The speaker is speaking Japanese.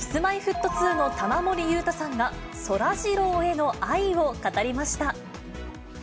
Ｋｉｓ−Ｍｙ−Ｆｔ２の玉森裕太さんが、そらジローへの愛を語りました。